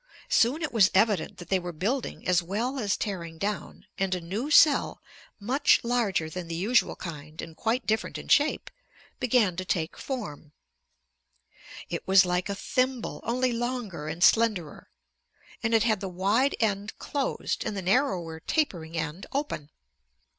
Soon it was evident that they were building as well as tearing down, and a new cell, much larger than the usual kind and quite different in shape, began to take form. It was like a thimble, only longer and slenderer, and it had the wide end closed and the narrower tapering end open.